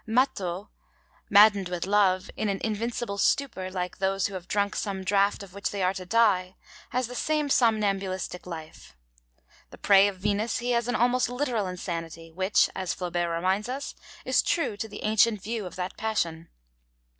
Mâtho, maddened with love, 'in an invincible stupor, like those who have drunk some draught of which they are to die,' has the same somnambulistic life; the prey of Venus, he has an almost literal insanity, which, as Flaubert reminds us, is true to the ancient view of that passion.